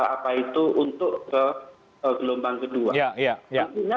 apa itu untuk ke gelombang kedua